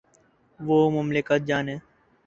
وہ مملکت جانے۔